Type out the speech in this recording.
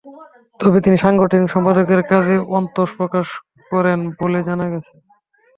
তবে তিনি সাংগঠনিক সম্পাদকদের কাজে অসন্তোষ প্রকাশ করেন বলে জানা গেছে।